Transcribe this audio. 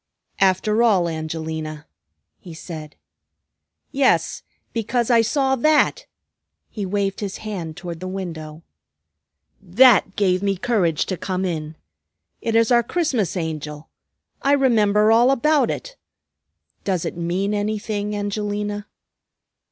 "After all, Angelina," he said. "Yes, because I saw that," he waved his hand toward the window. "That gave me courage to come in. It is our Christmas Angel. I remember all about it. Does it mean anything, Angelina?"